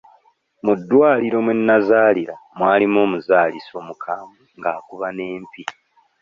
Mu ddwaliro mwe nazaalira mwalimu omuzaalisa omukambwe ng'akuba n'empi.